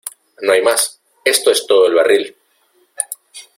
¡ No hay más! ¡ esto es todo el barril !